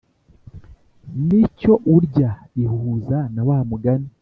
nicyo urya ihuza na wa mugani